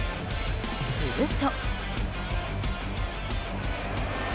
すると。